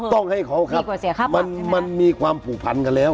ต้องให้เขาครับมันมีความผูกพันกันแล้ว